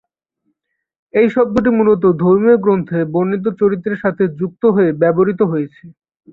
এই শব্দটি মূলত ধর্মীয় গ্রন্থে বর্ণিত চরিত্রের সাথে যুক্ত হয়ে ব্যবহৃত হয়েছে।